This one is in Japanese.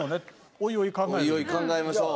おいおい考えましょう。